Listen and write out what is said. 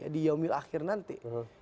di yaumil akhir nanti